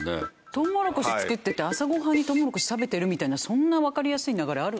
トウモロコシ作ってて朝ご飯にトウモロコシ食べてるみたいなそんなわかりやすい流れある？